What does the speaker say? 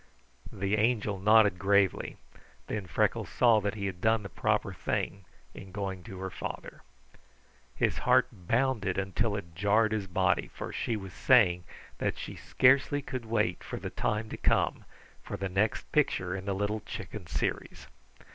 The Angel nodded gravely, then Freckles saw that he had done the proper thing in going to her father. His heart bounded until it jarred his body, for she was saying that she scarcely could wait for the time to come for the next picture of the Little Chicken series.